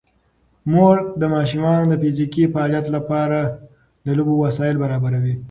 مور د ماشومانو د فزیکي فعالیت لپاره د لوبو وسایل برابروي.